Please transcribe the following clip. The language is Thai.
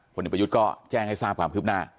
ผู้นิปยุทธก็แจ้งให้ทราบความคิดขึ้นหน้า